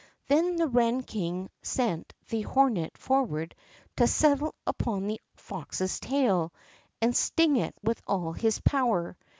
Then the wren king sent the hornet forward to settle upon the fox's tail and sting it with all his power.